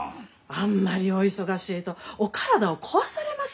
あんまりお忙しいとお体を壊されます！